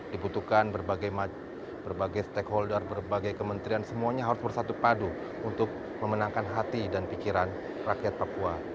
dibutuhkan berbagai stakeholder berbagai kementerian semuanya harus bersatu padu untuk memenangkan hati dan pikiran rakyat papua